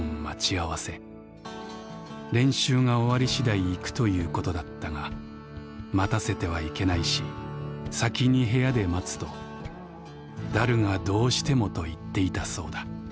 練習が終わり次第行くということだったが待たせてはいけないし先に部屋で待つとダルがどうしても言っていたそうだ。